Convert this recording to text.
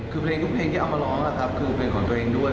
คือเพลงทุกเพลงที่เอามาร้องคือเพลงของตัวเองด้วย